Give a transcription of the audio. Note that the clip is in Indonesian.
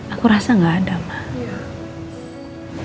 aku rasa gak ada pak